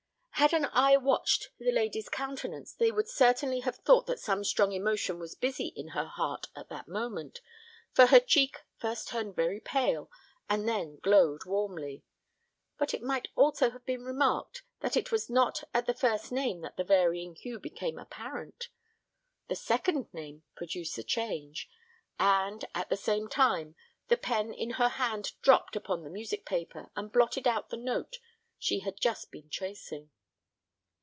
Had any eye watched the lady's countenance, they would certainly have thought that some strong emotion was busy in her heart at that moment, for her cheek first turned very pale, and then glowed warmly; but it might also have been remarked that it was not at the first name that the varying hue became apparent. The second name produced the change, and, at the same time, the pen in her hand dropped upon the music paper, and blotted out the note she had just been tracing.